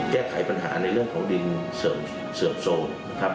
แก้ไขปัญหาในเรื่องดินเสื่อมโทรม